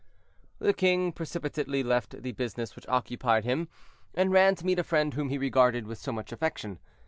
The king precipitately left the business which occupied him, and ran to meet a friend whom he regarded with so much affection.